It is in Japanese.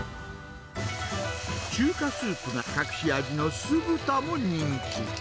中華スープが隠し味の酢豚も人気。